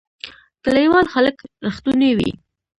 کلیوال خلک رښتونی وی